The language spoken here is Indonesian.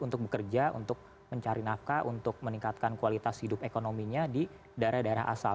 untuk bekerja untuk mencari nafkah untuk meningkatkan kualitas hidup ekonominya di daerah daerah asal